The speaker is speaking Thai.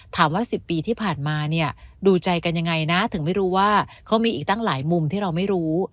๑๐ปีที่ผ่านมาเนี่ยดูใจกันยังไงนะถึงไม่รู้ว่าเขามีอีกตั้งหลายมุมที่เราไม่รู้